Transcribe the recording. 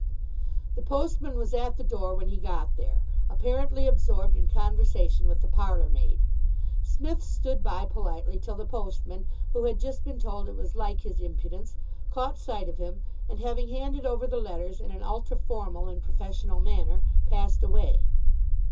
The postman was at the door when he got there, apparently absorbed in conversation with the parlour maid. Psmith stood by politely till the postman, who had just been told it was like his impudence, caught sight of him, and, having handed over the letters in an ultra formal and professional manner, passed away.